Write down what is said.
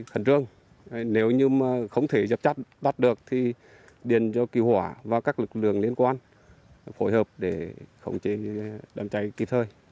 hẳn trương nếu như không thể dập chấp đắt được thì điền cho kỳ hỏa và các lực lượng liên quan phối hợp để khống chế đám cháy kịp thời